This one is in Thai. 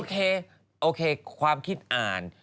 คือโอเคความคิดอ่าน